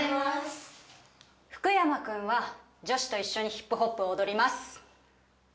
福山君は女子と一緒にヒップホップを踊ります。